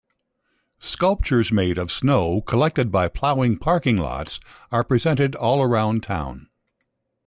Sculptures made of snow collected by ploughing parking lots are presented all around town.